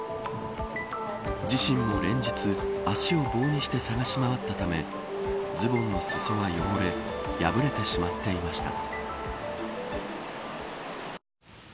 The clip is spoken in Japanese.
自身も連日、足を棒にして探し回ったためズボンの裾は汚れ破れてしまっていました。